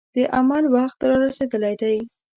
د عمل وخت را رسېدلی دی.